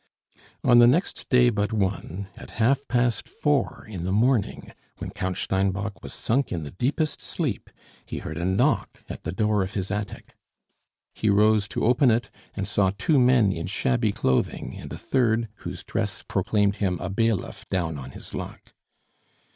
On the next day but one, at half past four in the morning, when Count Steinbock was sunk in the deepest sleep, he heard a knock at the door of his attic; he rose to open it, and saw two men in shabby clothing, and a third, whose dress proclaimed him a bailiff down on his luck.